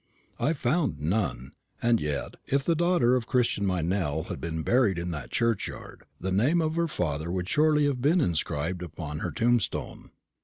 I found none; and yet, if the daughter of Christian Meynell had been buried in that churchyard, the name of her father would surely have been inscribed upon her tombstone.